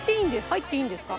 入っていいんですか？